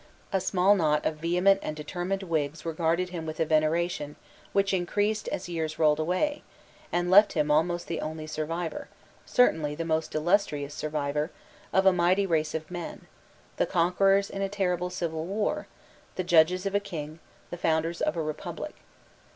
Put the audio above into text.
A small knot of vehement and determined Whigs regarded him with a veneration, which increased as years rolled away, and left him almost the only survivor, certainly the most illustrious survivor, of a mighty race of men, the conquerors in a terrible civil war, the judges of a king, the founders of a republic.